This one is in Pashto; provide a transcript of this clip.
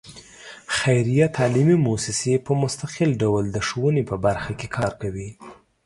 خیریه تعلیمي مؤسسې په مستقل ډول د ښوونې په برخه کې کار کوي.